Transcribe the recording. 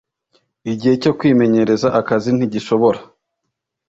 igihe cyo kwimenyereza akazi ntigishobora